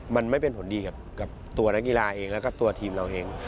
มันไม่เป็นผลดีกับตัวนักกีฬาเองแล้วก็ตัวทีมเราเอง